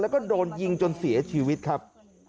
แล้วก็โดนยิงจนเสียชีวิตครับ